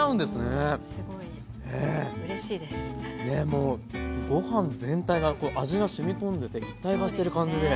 もうご飯全体が味がしみ込んでて一体化してる感じで。